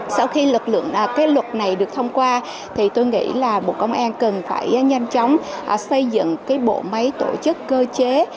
sau khi lực lượng cái luật này được thông qua thì tôi nghĩ là bộ công an cần phải nhanh chóng xây dựng cái bộ máy tổ chức cơ chế